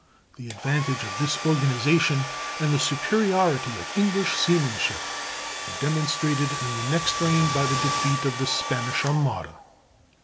The advantage of this organization and the superiority of English seamanship were demonstrated in the next reign by the defeat of the Spanish Armada.